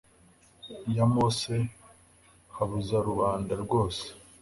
ya mose habuza rubanda rwose